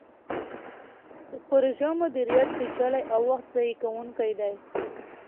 د پروژو مدیریت پیچلی او وخت ضایع کوونکی دی.